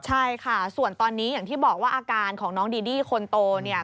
ใช่ค่ะส่วนตอนนี้อย่างที่บอกว่าอาการของน้องดีดี้คนโตเนี่ย